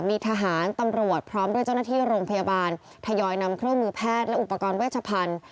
มีทหารตำรวจพร้อมด้วยเจ้าหน้าที่โรงพยาบาลทยอยนำเครื่องมือแพทย์และอุปกรณ์เวชพันธุ์